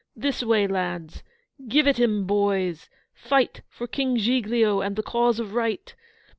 'This way, lads!' 'Give it 'em, boys!' 'Fight for King Giglio, and the cause of right!